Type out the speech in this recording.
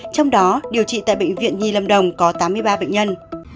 trong đó điều trị tại bệnh viện nhi lâm đồng có tám mươi ba bệnh nhân